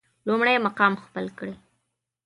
لومړی مقام خپل کړي.